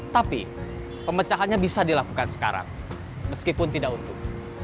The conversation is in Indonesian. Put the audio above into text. tapi pemecahannya bisa dilakukan sekarang meskipun tidak utuh